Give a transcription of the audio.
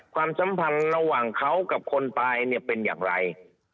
ความสัมพันธ์ระหว่างเขากับคนตายเนี่ยเป็นอย่างไร